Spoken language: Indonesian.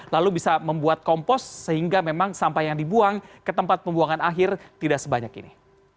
lalu bisa membuat kompos sehingga memang sampah yang dibuang ke tempat pembuangan akhir tidak sebanyak ini